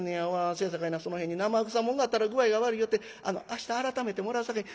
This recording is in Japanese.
せやさかいなその辺に生臭もんがあったら具合が悪いよって明日改めてもらうさかい